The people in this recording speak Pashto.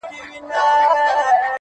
• اوس مي ګوره دبدبې ته او دربار ته ,